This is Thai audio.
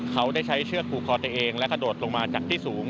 เขาได้ใช้เชือกผูกคอตัวเองและกระโดดลงมาจากที่สูง